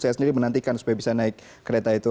saya sendiri menantikan supaya bisa naik kereta itu